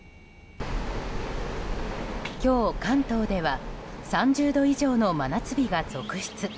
今日、関東では３０度以上の真夏日が続出。